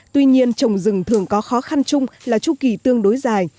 tuy nhiên trồng rừng thường có khó khăn chung là chu kỳ tương đối dài